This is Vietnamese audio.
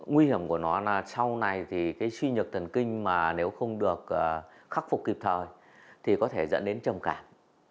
nguy hiểm của nó là sau này thì cái suy nhược thần kinh mà nếu không được khắc phục kịp thời thì có thể dẫn đến trầm cảm